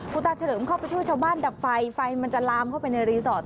คุณตาเฉลิมเข้าไปช่วยชาวบ้านดับไฟไฟมันจะลามเข้าไปในรีสอร์ท